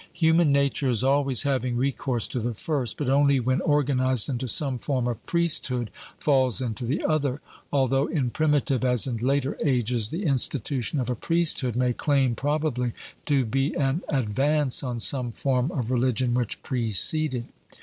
Human nature is always having recourse to the first; but only when organized into some form of priesthood falls into the other; although in primitive as in later ages the institution of a priesthood may claim probably to be an advance on some form of religion which preceded.